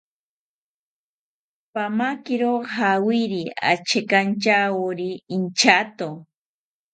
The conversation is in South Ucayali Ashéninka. Pamakiro jawiri achekantyawori inchato